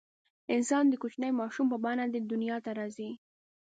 انسان د کوچني ماشوم په بڼه دې دنیا ته راځي.